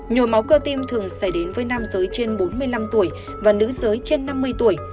nhồi máu cơ tim thường xảy đến với nam giới trên bốn mươi năm tuổi và nữ giới trên năm mươi tuổi